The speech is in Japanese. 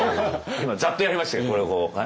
今ざっとやりましたけどこれをこう。